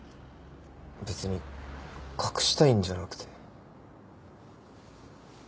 別に隠したいんじゃなくて。